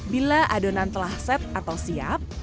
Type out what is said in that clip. bila adonan telah set atau siap